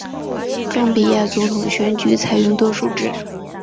冈比亚总统选举采用多数制。